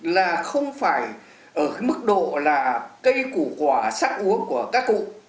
là không phải ở mức độ là cây củ quả sắc uống của các cụ